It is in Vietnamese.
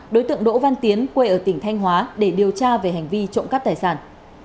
đối tượng đỗ văn tiến quê ở tỉnh thanh hóa để điều tra về hành vi trộm cắp tài sản